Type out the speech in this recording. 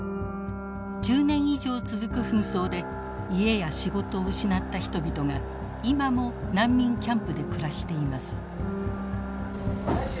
１０年以上続く紛争で家や仕事を失った人々が今も難民キャンプで暮らしています。